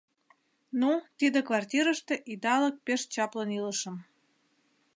Ну, тиде квартирыште идалык пеш чаплын илышым.